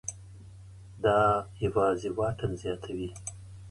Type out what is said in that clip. دا یوازې واټن زیاتوي.